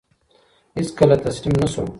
هیڅکله تسلیم نه شو.